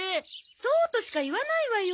そうとしか言わないわよ。